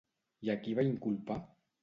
I a qui va inculpar?